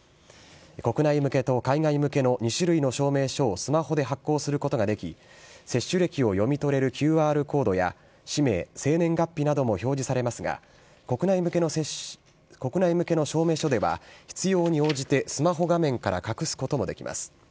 国内向けと海外向けの２種類の証明書をスマホで発行することができ、接種歴を読み取れるＱＲコードや、氏名、生年月日なども表示されますが、国内向けの証明書では、必要に応じてスマホ画面から隠すこともできます。